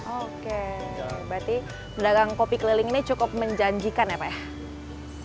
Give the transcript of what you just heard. oke berarti pedagang kopi keliling ini cukup menjanjikan ya pak ya